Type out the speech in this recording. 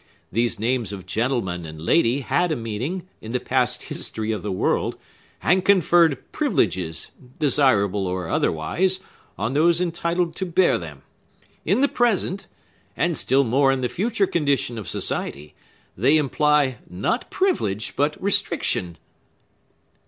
These names of gentleman and lady had a meaning, in the past history of the world, and conferred privileges, desirable or otherwise, on those entitled to bear them. In the present—and still more in the future condition of society they imply, not privilege, but restriction!"